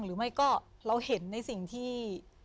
หรือไม่ก็เราเห็นในสิ่งที่